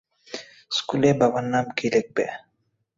স্কুলে বাবার নাম কী লিখবে?